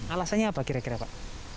alasannya apa kira kira pak